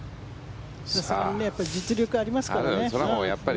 実力がありますからね。